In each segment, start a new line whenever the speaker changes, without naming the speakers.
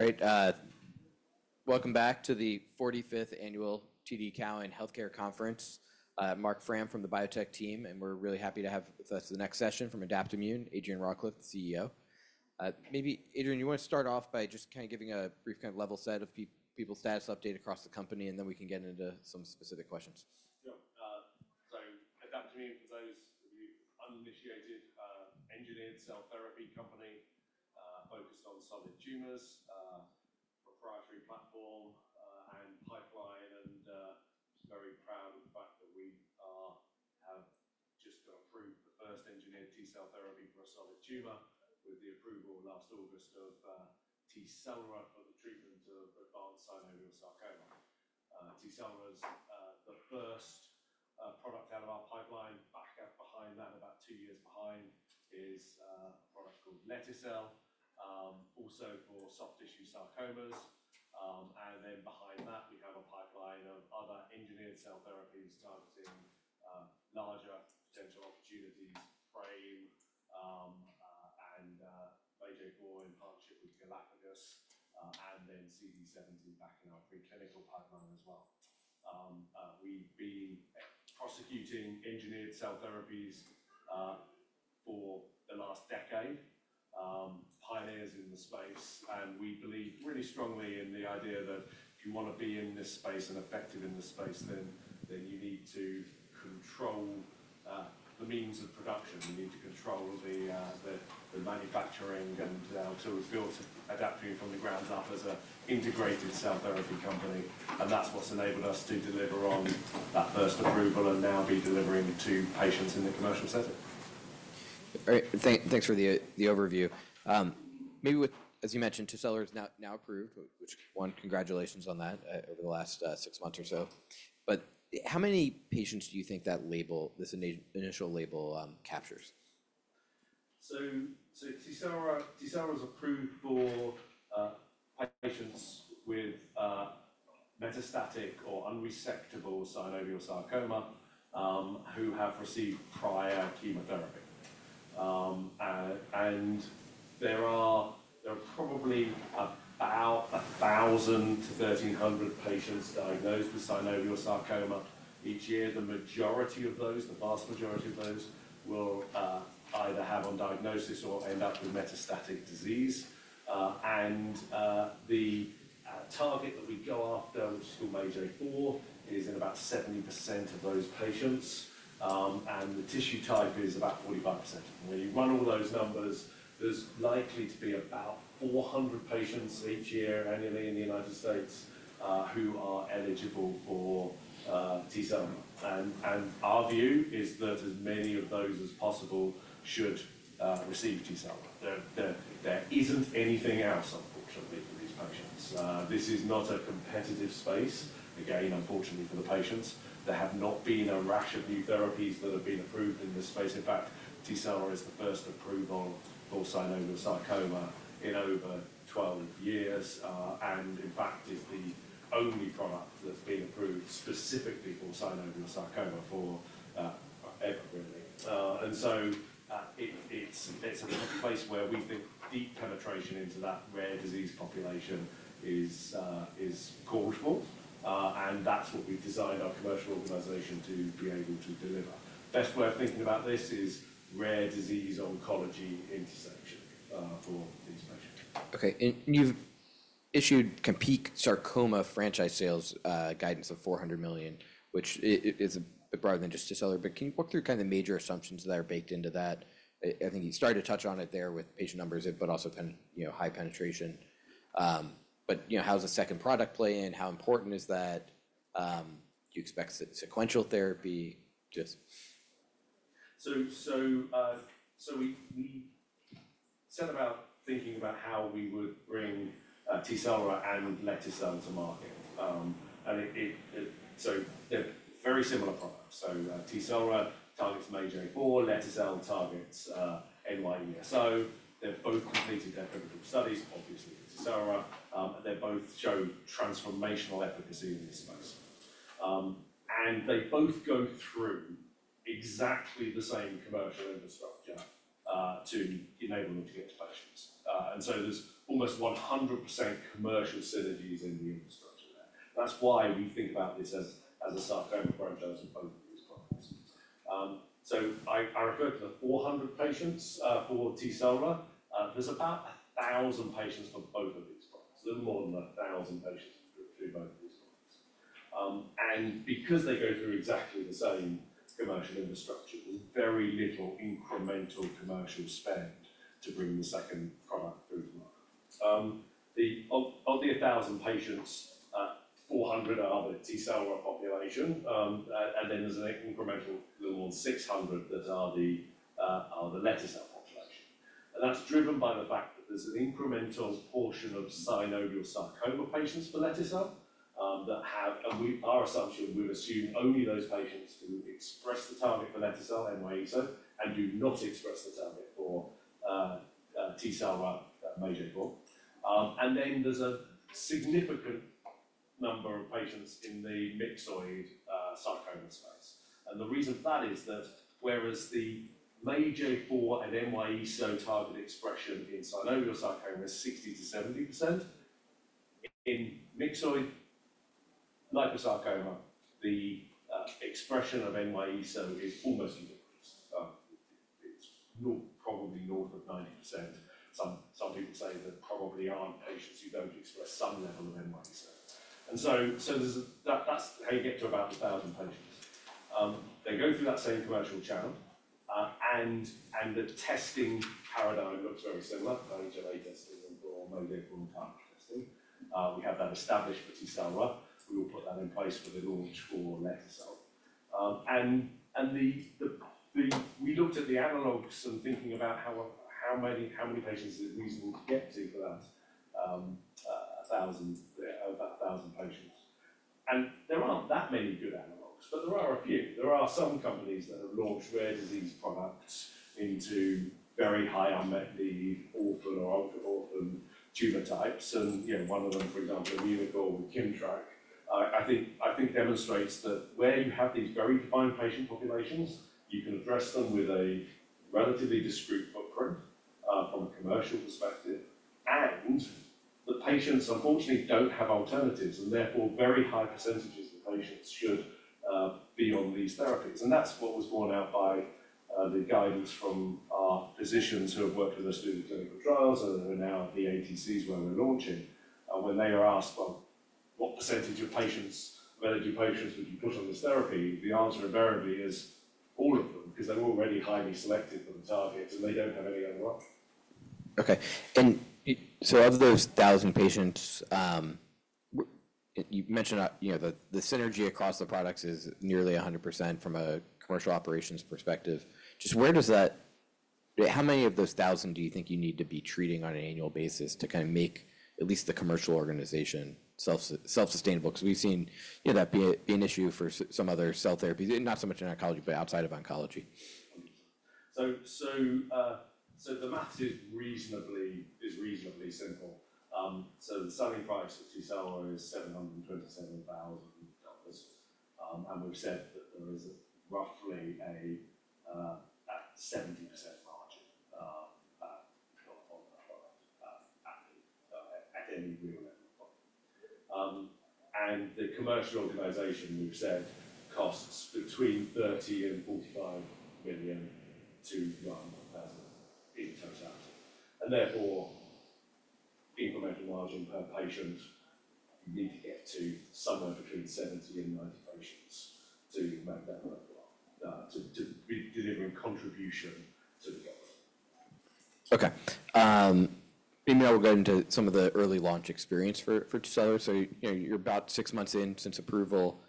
All right. Welcome back to the 45th Annual TD Cowen Healthcare Conference. Marc Frahm from the biotech team, and we're really happy to have with us the next session from Adaptimmune, Adrian Rawcliffe, the CEO. Maybe, Adrian, you want to start off by just kind of giving a brief kind of level set of people's status update across the company, and then we can get into some specific questions.
Yeah. Adaptimmune is an uninitiated engineered cell therapy company focused on solid tumors, proprietary platform and pipeline, and very proud of the fact that we have just approved the first engineered T-cell therapy for a solid tumor with the approval last August of Tecelra for the treatment of advanced synovial sarcoma. Tecelra is the first product out of our pipeline. Back up behind that, about two years behind, is a product called lete-cel, also for soft tissue sarcomas. Behind that, we have a pipeline of other engineered cell therapies targeting larger potential opportunities: PRAME and MAGE-A10 in partnership with Galapagos, and then CD70 back in our preclinical pipeline as well. We've been prosecuting engineered cell therapies for the last decade, pioneers in the space, and we believe really strongly in the idea that if you want to be in this space and effective in this space, then you need to control the means of production. You need to control the manufacturing until it feels Adaptimmune from the ground up as an integrated cell therapy company. That's what's enabled us to deliver on that first approval and now be delivering to patients in the commercial setting.
All right. Thanks for the overview. Maybe, as you mentioned, Tecelra is now approved, which congratulations on that over the last six months or so. How many patients do you think that label, this initial label, captures?
Tecelra is approved for patients with metastatic or unresectable synovial sarcoma who have received prior chemotherapy. There are probably about 1,000-1,300 patients diagnosed with synovial sarcoma each year. The majority of those, the vast majority of those, will either have undiagnosis or end up with metastatic disease. The target that we go after, which is called MAGE-A4, is in about 70% of those patients. The tissue type is about 45%. When you run all those numbers, there is likely to be about 400 patients each year, annually, in the United States who are eligible for Tecelra. Our view is that as many of those as possible should receive Tecelra. There is not anything else, unfortunately, for these patients. This is not a competitive space. Again, unfortunately for the patients, there have not been a rash of new therapies that have been approved in this space. In fact, Tecelra is the first approval for synovial sarcoma in over 12 years and, in fact, is the only product that's been approved specifically for synovial sarcoma forever, really. It is a place where we think deep penetration into that rare disease population is core to us. That is what we've designed our commercial organization to be able to deliver. Best way of thinking about this is rare disease oncology intersection for these patients.
Okay. You have issued kind of peak sarcoma franchise sales guidance of $400 million, which is broader than just Tecelra. Can you walk through kind of the major assumptions that are baked into that? I think you started to touch on it there with patient numbers, but also kind of high penetration. How does the second product play in? How important is that? Do you expect sequential therapy?
We set about thinking about how we would bring Tecelra and lete-cel to market. They are very similar products. Tecelra targets MAGE-A4, lete-cel targets NY-ESO-1. They have both completed their clinical studies, obviously with Tecelra. They both show transformational efficacy in this space. They both go through exactly the same commercial infrastructure to enable them to get to patients. There is almost 100% commercial synergy in the infrastructure there. That is why we think about this as a sarcoma franchise and both of these products. I referred to the 400 patients for Tecelra. There are about 1,000 patients for both of these products. There are more than 1,000 patients through both of these products. Because they go through exactly the same commercial infrastructure, there is very little incremental commercial spend to bring the second product through to market. Of the 1,000 patients, 400 are the Tecelra population, and then there's an incremental little 600 that are the lete-cel population. That's driven by the fact that there's an incremental portion of synovial sarcoma patients for lete-cel that have—and we've assumed only those patients who express the target for lete-cel, NY-ESO-1, and do not express the target for Tecelra, MAGE-A4. There's a significant number of patients in the myxoid sarcoma space. The reason for that is that whereas the MAGE-A4 and NY-ESO-1 target expression in synovial sarcoma is 60%-70%, in myxoid liposarcoma, the expression of NY-ESO-1 is almost null. It's probably north of 90%. Some people say there probably aren't patients who don't express some level of NY-ESO-1. That's how you get to about 1,000 patients. They go through that same commercial channel, and the testing paradigm looks very similar, MAGE testing or MAGE-A4 target testing. We have that established for Tecelra. We will put that in place for the launch for lete-cel. And we looked at the analogs and thinking about how many patients is it reasonable to get to for that 1,000 patients. There are not that many good analogs, but there are a few. There are some companies that have launched rare disease products into very high unmet need, orphan or ultra-orphan tumor types. One of them, for example, Immunocore with KIMMTRAK, I think demonstrates that where you have these very defined patient populations, you can address them with a relatively discrete footprint from a commercial perspective. The patients, unfortunately, do not have alternatives, and therefore very high percentages of patients should be on these therapies. That is what was borne out by the guidance from our physicians who have worked with us through the clinical trials and who are now at the ATCs where we are launching. When they are asked, "Well, what percentage of patients, of eligible patients, would you put on this therapy?" the answer invariably is, "All of them," because they are already highly selected for the target, and they do not have any other option.
Okay. Of those 1,000 patients, you mentioned the synergy across the products is nearly 100% from a commercial operations perspective. Just where does that—how many of those 1,000 do you think you need to be treating on an annual basis to kind of make at least the commercial organization self-sustainable? Because we have seen that be an issue for some other cell therapies, not so much in oncology, but outside of oncology.
The math is reasonably simple. The selling price of Tecelra is GBP 727,000. We have said that there is roughly a 70% margin on that product at any real level of cost. The commercial organization, we have said, costs between GBP 30 million and GBP 45 million in totality. Therefore, incremental margin per patient, you need to get to somewhere between 70 and 90 patients to make that work well, to deliver a contribution to the goal.
Okay. Maybe I will go into some of the early launch experience for Tecelra. You are about six months in since approval.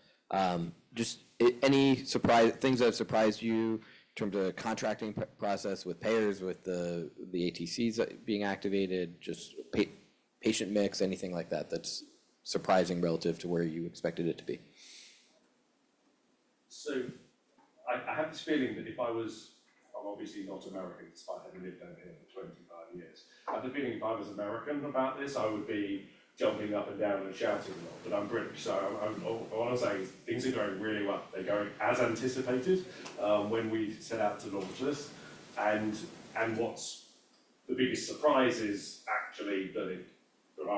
Just any things that have surprised you in terms of the contracting process with payers, with the ATCs being activated, just patient mix, anything like that that is surprising relative to where you expected it to be?
I have this feeling that if I was—I'm obviously not American despite having lived down here for 25 years. I have the feeling if I was American about this, I would be jumping up and down and shouting a lot. I'm British, so all I'm saying is things are going really well. They're going as anticipated when we set out to launch this. What's the biggest surprise is actually that there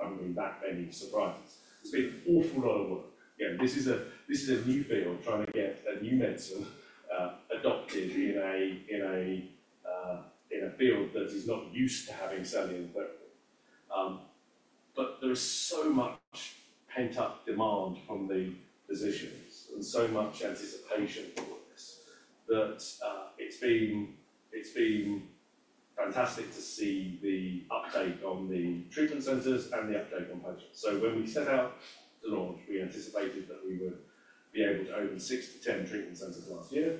haven't been that many surprises. It's been an awful lot of work. Again, this is a new field, trying to get a new medicine adopted in a field that is not used to having cellular equipment. There is so much pent-up demand from the physicians and so much anticipation for this that it's been fantastic to see the uptake on the treatment centers and the uptake on patients. When we set out to launch, we anticipated that we would be able to open 6-10 treatment centers last year.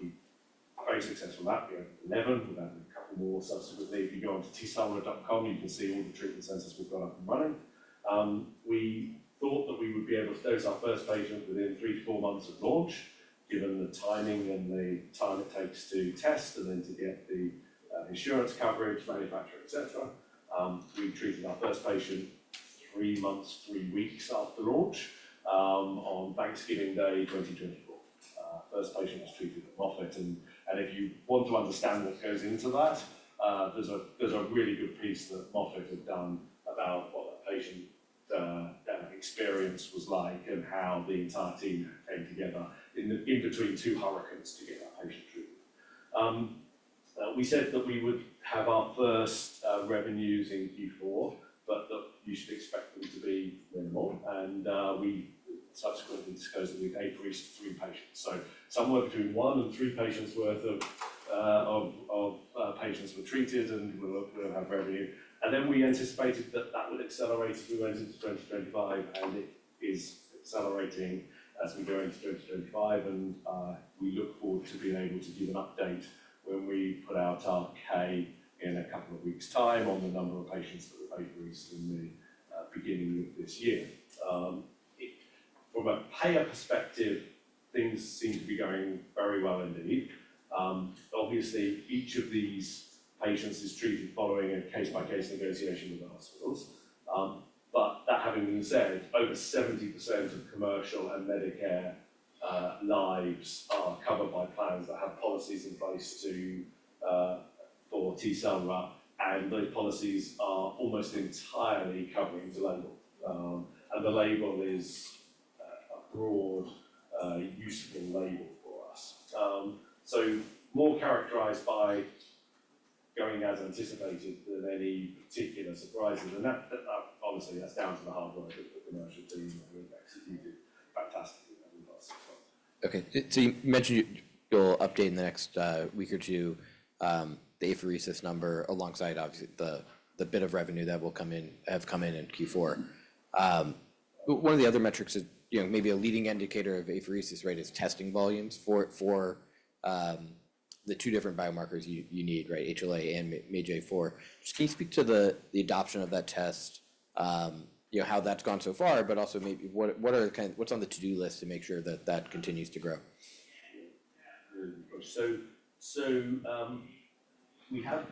We were very successful at that. We opened 11. We've added a couple more subsequently. If you go on to tecelra.com, you can see all the treatment centers we've got up and running. We thought that we would be able to dose our first patient within three to four months of launch, given the timing and the time it takes to test and then to get the insurance coverage, manufacture, etc. We treated our first patient three months, three weeks after launch on Thanksgiving Day 2024. First patient was treated at Moffitt. If you want to understand what goes into that, there's a really good piece that Moffitt had done about what that patient experience was like and how the entire team came together in between two hurricanes to get that patient treated. We said that we would have our first revenues in Q4, but that you should expect them to be minimal. We subsequently disclosed that we'd increased to three patients. Somewhere between one and three patients' worth of patients were treated, and we'll have revenue. We anticipated that that would accelerate as we went into 2025, and it is accelerating as we go into 2025. We look forward to being able to give an update when we put out our K in a couple of weeks' time on the number of patients that were increased in the beginning of this year. From a payer perspective, things seem to be going very well indeed. Obviously, each of these patients is treated following a case-by-case negotiation with the hospitals. That having been said, over 70% of commercial and Medicare lives are covered by plans that have policies in place for Tecelra. Those policies are almost entirely covering deliverable. The label is a broad, useful label for us. More characterized by going as anticipated than any particular surprises. Obviously, that's down to the hard work of the commercial team who executed fantastically over the last six months.
Okay. You mentioned you'll update in the next week or two the apheresis number alongside, obviously, the bit of revenue that will have come in in Q4. One of the other metrics is maybe a leading indicator of apheresis rate is testing volumes for the two different biomarkers you need, right, HLA and MAGE-A4. Can you speak to the adoption of that test, how that's gone so far, but also maybe what's on the to-do list to make sure that that continues to grow?
We have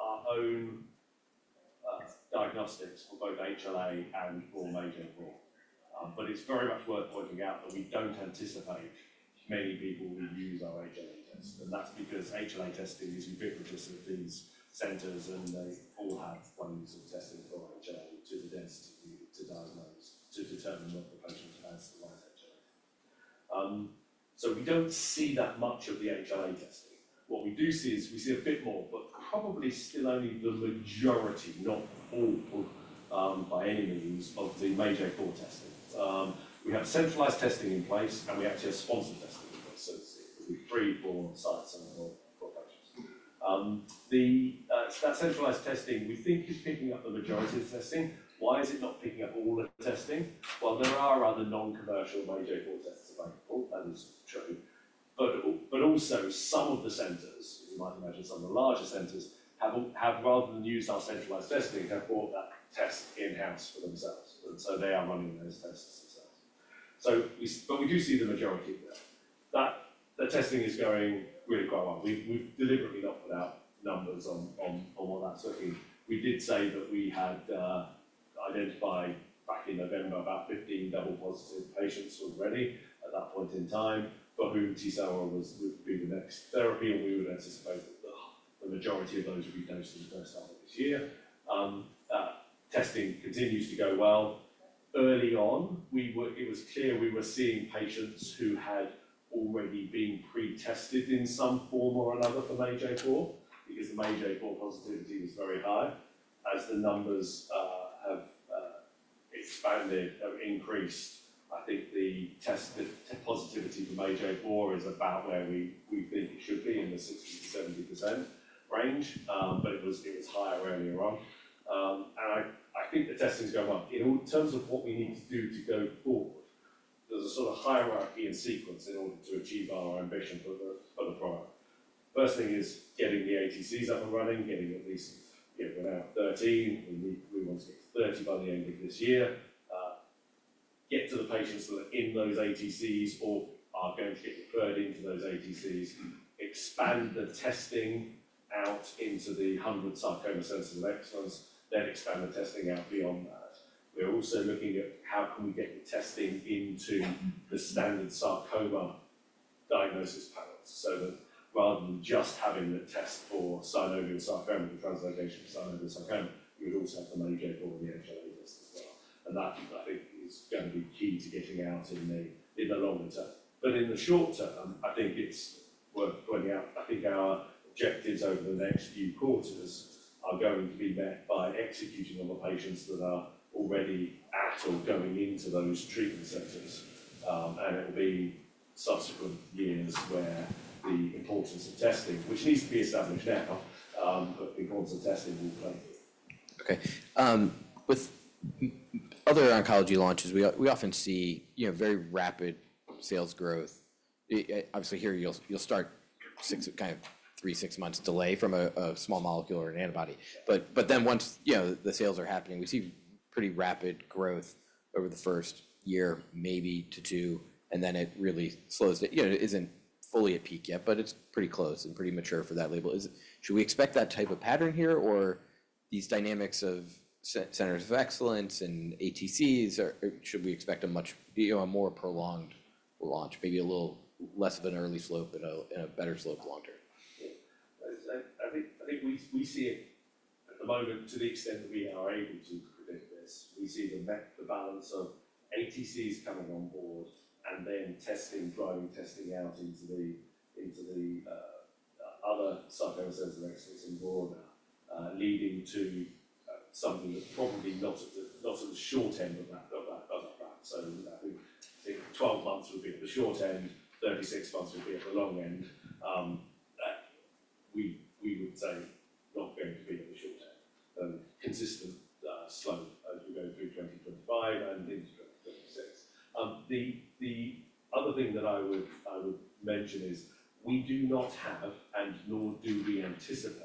our own diagnostics for both HLA and for MAGE-A4. It is very much worth pointing out that we do not anticipate many people will use our HLA test. That is because HLA testing is ubiquitous at these centers, and they all have ways of testing for HLA to the density to diagnose to determine what the patient has and why it is HLA. We do not see that much of the HLA testing. What we do see is we see a bit more, but probably still only the majority, not all, by any means, of the MAGE-A4 testing. We have centralized testing in place, and we actually have sponsored testing in place. It is free, for sites, and for patients. That centralized testing, we think, is picking up the majority of testing. Why is it not picking up all the testing? There are other non-commercial MAGE-A4 tests available. That is true. Some of the centers, you might imagine some of the larger centers, have, rather than use our centralized testing, bought that test in-house for themselves. They are running those tests themselves. We do see the majority there. That testing is going really quite well. We've deliberately not put out numbers on what that's looking. We did say that we had identified back in November about 15 double-positive patients already at that point in time, for whom Tecelra would be the next therapy, and we would anticipate that the majority of those would be dosed in the first half of this year. That testing continues to go well. Early on, it was clear we were seeing patients who had already been pre-tested in some form or another for MAGE-A4 because the MAGE-A4 positivity was very high. As the numbers have expanded, have increased, I think the positivity for MAGE-A4 is about where we think it should be in the 60%-70% range, but it was higher earlier on. I think the testing's going well. In terms of what we need to do to go forward, there's a sort of hierarchy and sequence in order to achieve our ambition for the product. First thing is getting the ATCs up and running, getting at least, we're now at 13. We want to get to 30 by the end of this year. Get to the patients that are in those ATCs or are going to get referred into those ATCs. Expand the testing out into the 100 sarcoma centers of excellence, then expand the testing out beyond that. We're also looking at how can we get the testing into the standard sarcoma diagnosis panels. Rather than just having the test for synovial sarcoma and translocation for synovial sarcoma, we would also have the MAGE-A4 and the HLA test as well. That, I think, is going to be key to getting out in the longer term. In the short term, I think it's worth pointing out, I think our objectives over the next few quarters are going to be met by executing on the patients that are already at or going into those treatment centers. It will be subsequent years where the importance of testing, which needs to be established now, but the importance of testing will play.
Okay. With other oncology launches, we often see very rapid sales growth. Obviously, here you'll start kind of three to six months delay from a small molecule or an antibody. Then once the sales are happening, we see pretty rapid growth over the first year, maybe to two, and then it really slows down. It isn't fully at peak yet, but it's pretty close and pretty mature for that label. Should we expect that type of pattern here, or these dynamics of centers of excellence and ATCs, or should we expect a more prolonged launch, maybe a little less of an early slope and a better slope long-term?
I think we see it at the moment, to the extent that we are able to predict this. We see the balance of ATCs coming on board and then testing, driving testing out into the other sarcoma centers of excellence in Vorna, leading to something that's probably not at the short end of that path. I think 12 months would be at the short end, 36 months would be at the long end. We would say not going to be at the short end. Consistent slope as we go through 2025 and into 2026. The other thing that I would mention is we do not have, and nor do we anticipate,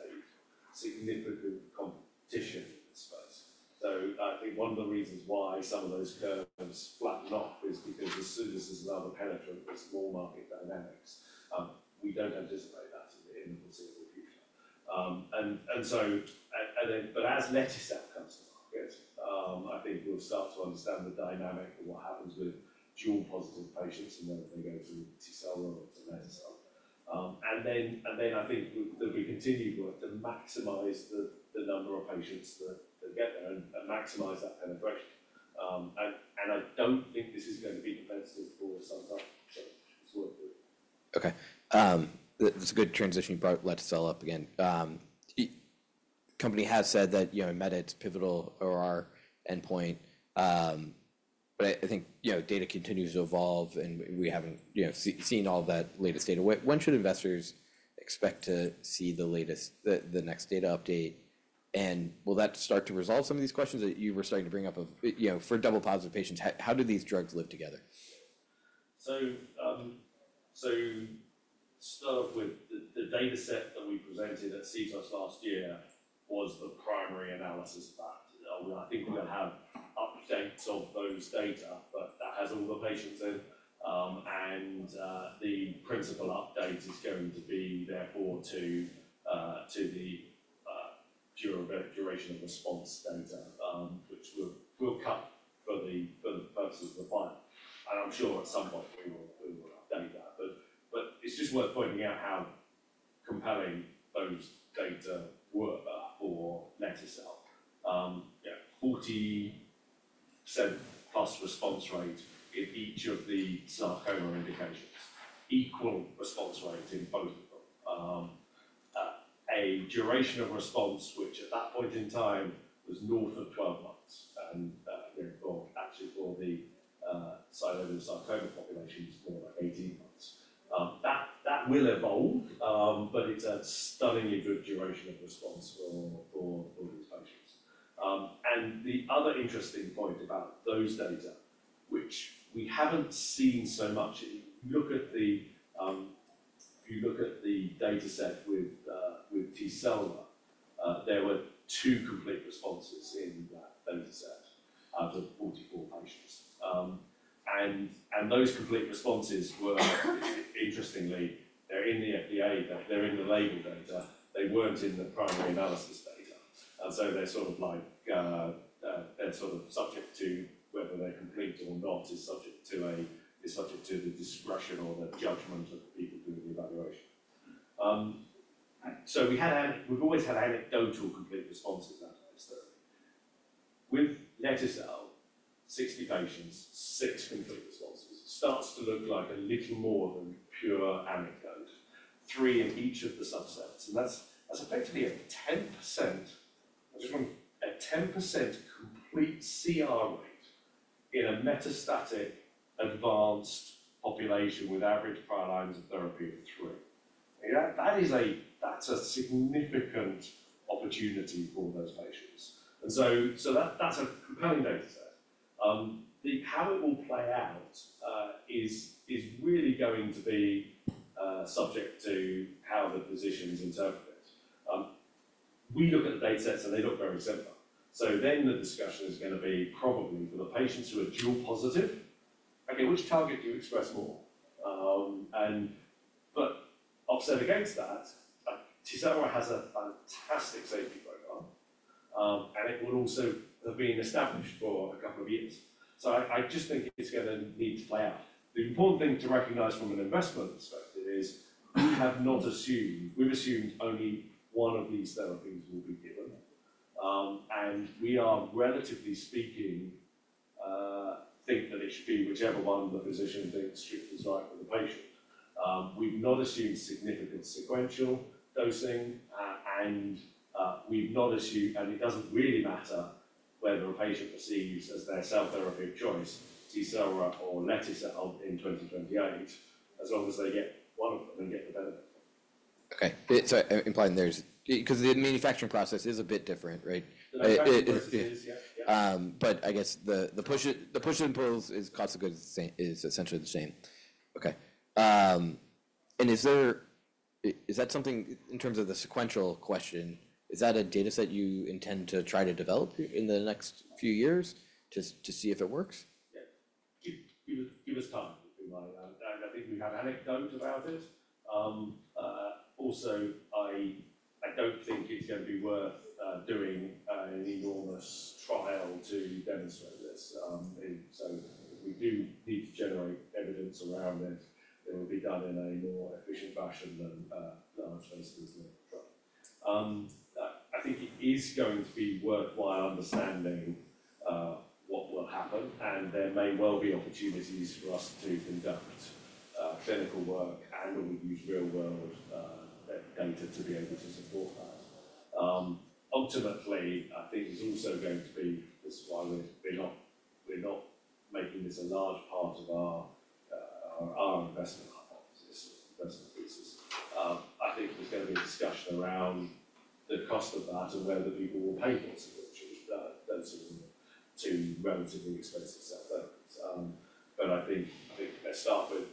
significant competition in this space. I think one of the reasons why some of those curves flatten off is because as soon as there is another penetrant with small market dynamics, we do not anticipate that in the foreseeable future. As lete-cel comes to market, I think we will start to understand the dynamic of what happens with dual-positive patients and whether they go through Tecelra or to lete-cel. I think that we continue to work to maximize the number of patients that get there and maximize that penetration. I do not think this is going to be competitive for some subsections. It is worth doing.
Okay. That's a good transition. You brought lete-cel up again. The company has said that MedEd's pivotal or our endpoint. I think data continues to evolve, and we haven't seen all that latest data. When should investors expect to see the next data update? Will that start to resolve some of these questions that you were starting to bring up for double-positive patients? How do these drugs live together?
The dataset that we presented at CTOS last year was the primary analysis of that. I think we're going to have updates of those data, but that has all the patients in. The principal update is going to be therefore to the duration of response data, which we'll cut for the purposes of the pilot. I'm sure at some point we will update that. It's just worth pointing out how compelling those data were for lete-cel. 40%+ response rate in each of the sarcoma indications, equal response rate in both of them. A duration of response, which at that point in time was north of 12 months. Actually, for the synovial sarcoma population, it's more like 18 months. That will evolve, but it's a stunningly good duration of response for these patients. The other interesting point about those data, which we haven't seen so much, if you look at the dataset with Tecelra, there were two complete responses in that dataset out of 44 patients. Those complete responses were, interestingly, they're in the FDA, they're in the label data. They weren't in the primary analysis data. They're sort of like, they're sort of subject to whether they're complete or not, subject to the discretion or the judgment of the people doing the evaluation. We've always had anecdotal complete responses out of this study. With lete-cel, 60 patients, six complete responses. It starts to look like a little more than pure anecdote. Three in each of the subsets. That's effectively a 10% complete CR rate in a metastatic advanced population with average prior lines of therapy of three. That's a significant opportunity for those patients. That is a compelling dataset. How it will play out is really going to be subject to how the physicians interpret it. We look at the datasets, and they look very similar. The discussion is going to be probably for the patients who are dual-positive, okay, which target do you express more? Upset against that, Tecelra has a fantastic safety profile, and it will also have been established for a couple of years. I just think it is going to need to play out. The important thing to recognize from an investment perspective is we have not assumed, we have assumed only one of these therapies will be given. We are, relatively speaking, thinking that it should be whichever one the physician thinks is right for the patient. We have not assumed significant sequential dosing. We have not assumed, and it does not really matter whether a patient perceives as their self-therapeutic choice, Tecelra or lete-cel in 2028, as long as they get one of them and get the benefit from it.
Okay. So implying there's because the manufacturing process is a bit different, right? I guess the push and pull is cost of goods is essentially the same. Okay. Is that something in terms of the sequential question, is that a dataset you intend to try to develop in the next few years to see if it works?
Yeah. Give us time. I think we have anecdotes about it. Also, I don't think it's going to be worth doing an enormous trial to demonstrate this. We do need to generate evidence around it. It will be done in a more efficient fashion than large phase testing trial. I think it is going to be worthwhile understanding what will happen. There may well be opportunities for us to conduct clinical work and/or use real-world data to be able to support that. Ultimately, I think it's also going to be this is why we're not making this a large part of our investment hypothesis. I think there's going to be a discussion around the cost of that and whether people will pay for it, which is relatively expensive self-therapies. I think let's start with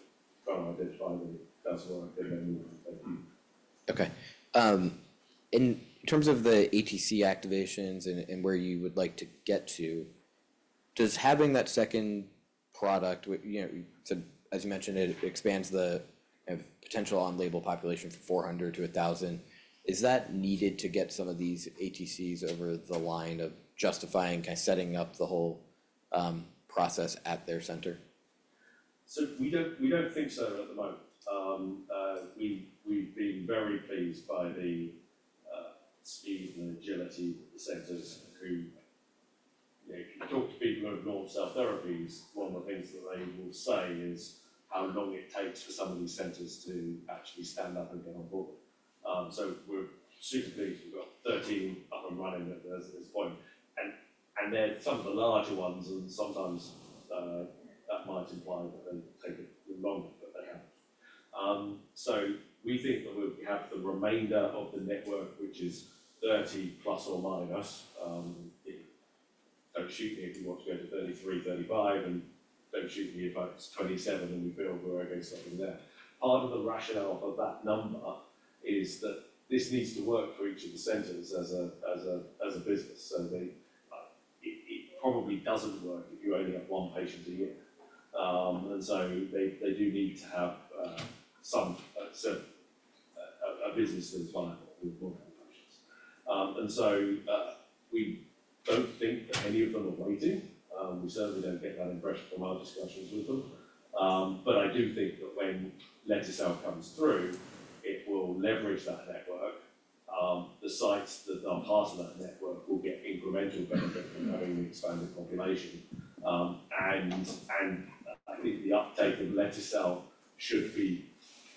trying to identify the does work and then we'll continue.
Okay. In terms of the ATC activations and where you would like to get to, does having that second product, as you mentioned, it expands the potential on-label population from 400 to 1,000. Is that needed to get some of these ATCs over the line of justifying kind of setting up the whole process at their center?
We do not think so at the moment. We have been very pleased by the speed and agility of the centers who talk to people who have normal cell therapies. One of the things that they will say is how long it takes for some of these centers to actually stand up and get on board. We are super pleased. We have got 13 up and running at this point. They are some of the larger ones, and sometimes that might imply that they take a bit longer than they have. We think that we have the remainder of the network, which is 30 plus or minus. Do not shoot me if you want to go to 33, 35, and do not shoot me if it is 27 and we feel we are going to stop in there. Part of the rationale for that number is that this needs to work for each of the centers as a business. It probably doesn't work if you only have one patient a year. They do need to have a business that is viable with more patients. We don't think that any of them are waiting. We certainly don't get that impression from our discussions with them. I do think that when lete-cel comes through, it will leverage that network. The sites that are part of that network will get incremental benefit from having the expanded population. I think the uptake of lete-cel should be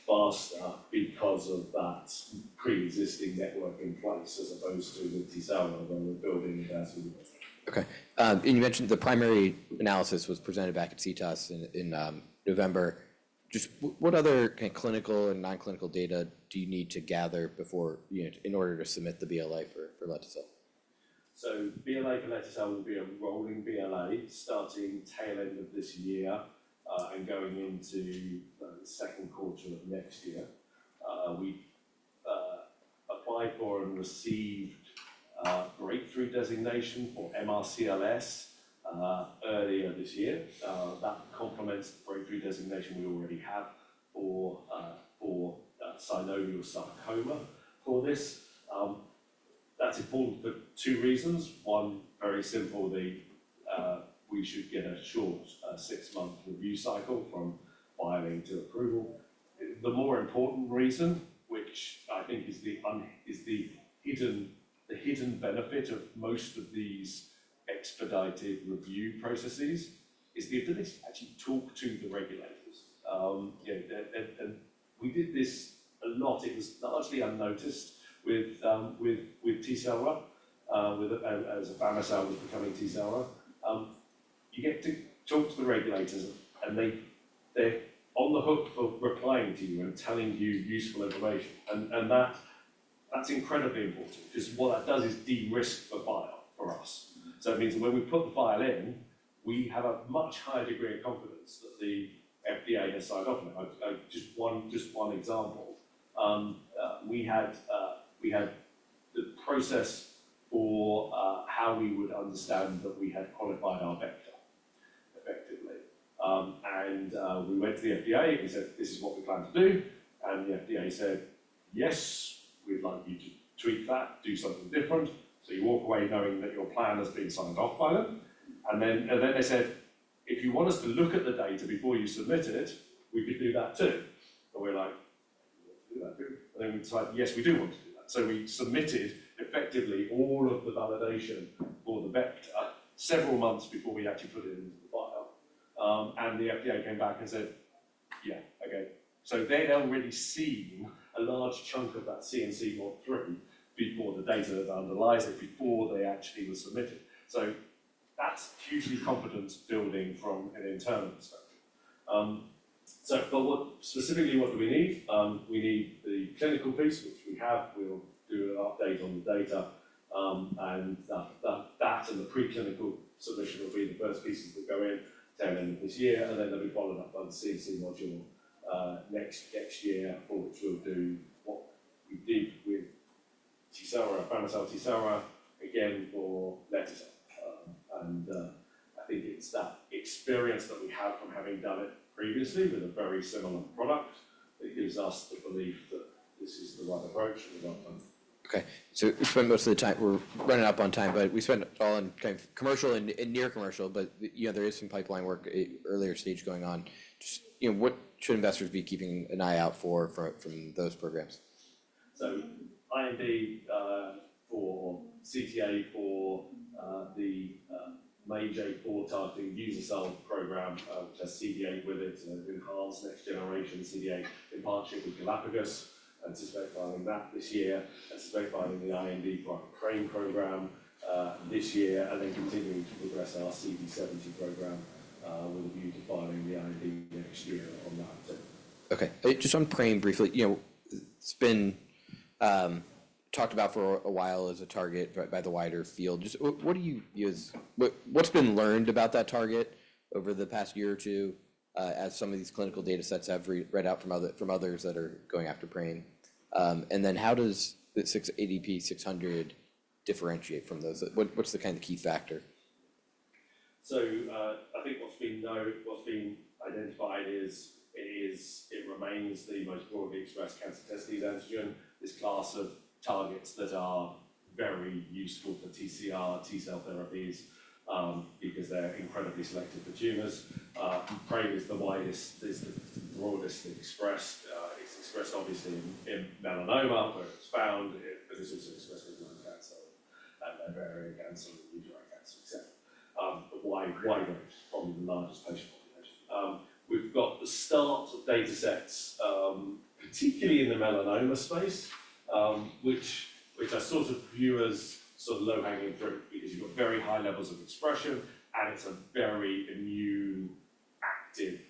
faster because of that pre-existing network in place as opposed to the Tecelra that we're building as we go.
Okay. You mentioned the primary analysis was presented back at CTOS in November. Just what other kind of clinical and non-clinical data do you need to gather in order to submit the BLA for lete-cel?
BLA for lete-cel will be a rolling BLA starting tail end of this year and going into the second quarter of next year. We applied for and received breakthrough designation for MRCLS earlier this year. That complements the breakthrough designation we already have for synovial sarcoma for this. That is important for two reasons. One, very simple, we should get a short six-month review cycle from filing to approval. The more important reason, which I think is the hidden benefit of most of these expedited review processes, is the ability to actually talk to the regulators. We did this a lot. It was largely unnoticed with Tecelra as a pharmaceutical was becoming Tecelra. You get to talk to the regulators, and they are on the hook for replying to you and telling you useful information. That is incredibly important. Because what that does is de-risk the file for us. It means that when we put the file in, we have a much higher degree of confidence that the FDA has signed off on it. Just one example. We had the process for how we would understand that we had qualified our vector effectively. We went to the FDA, and we said, "This is what we plan to do." The FDA said, "Yes, we'd like you to tweak that, do something different." You walk away knowing that your plan has been signed off by them. They said, "If you want us to look at the data before you submit it, we could do that too." We were like, "We want to do that too?" We decided, "Yes, we do want to do that." We submitted effectively all of the validation for the vector several months before we actually put it into the file. The FDA came back and said, "Yeah, okay." They had already seen a large chunk of that CMC module through before the data that underlies it, before they actually were submitted. That is hugely confidence building from an internal perspective. Specifically, what do we need? We need the clinical piece, which we have. We will do an update on the data. That and the preclinical submission will be the first pieces that go in tail end of this year. They'll be followed up by the CMC module next year for which we'll do what we did with Tecelra, again for lete-cel. I think it's that experience that we have from having done it previously with a very similar product that gives us the belief that this is the right approach and the right time.
Okay. We are running up on time, but we spent all on kind of commercial and near commercial, but there is some pipeline work earlier stage going on. What should investors be keeping an eye out for from those programs?
IND or CTA for the MAGE-A4 targeting user cell program, which has CD8 with it, so enhanced next generation CD8 in partnership with Galapagos. Anticipate filing that this year. Anticipate filing the IND for our PRAME program this year. Continuing to progress our CD70 program with a view to filing the IND next year on that too.
Okay. Just on CD70 briefly, it's been talked about for a while as a target by the wider field. What's been learned about that target over the past year or two as some of these clinical datasets have read out from others that are going after CD70? How does the ADP600 differentiate from those? What's the kind of key factor?
I think what has been identified is it remains the most broadly expressed cancer-testis antigen, this class of targets that are very useful for TCR, T cell therapies, because they are incredibly selective for tumors. PRAME is the widest, is the broadest expressed. It is expressed, obviously, in melanoma, where it is found, but it is also expressed in lung cancer and ovarian cancer and uterine cancer, etc. The wide range, probably the largest patient population. We have got the start of datasets, particularly in the melanoma space, which are sort of viewed as sort of low-hanging fruit because you have got very high levels of expression, and it is a very immune active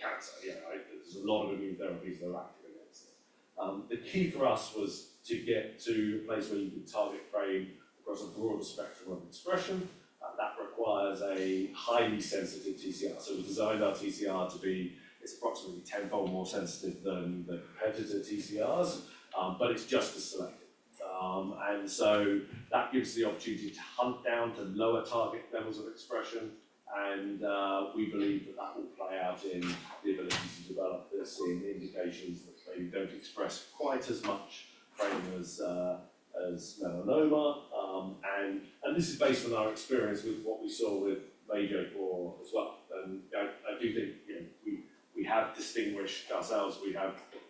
cancer. There are a lot of immune therapies that are active against it. The key for us was to get to a place where you could target PRAME across a broad spectrum of expression. That requires a highly sensitive TCR. We designed our TCR to be approximately 10-fold more sensitive than the competitor TCRs, but it's just as selective. That gives the opportunity to hunt down to lower target levels of expression. We believe that that will play out in the ability to develop this in indications that maybe don't express quite as much MAGE as melanoma. This is based on our experience with what we saw with MAGE-A4 as well. I do think we have distinguished ourselves. We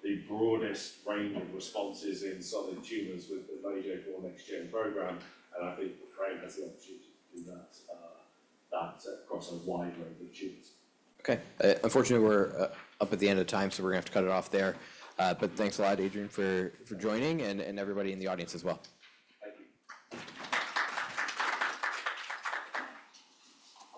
have the broadest range of responses in solid tumors with the MAGE and COR next-gen program. I think MAGE has the opportunity to do that across a wide range of tumors.
Okay. Unfortunately, we're up at the end of time, so we're going to have to cut it off there. Thanks a lot, Adrian, for joining and everybody in the audience as well.